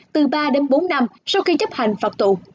từ ba đến bốn năm sau khi chấp hành phạt tù